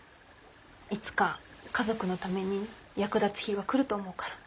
いつか家族のために役立つ日が来ると思うから。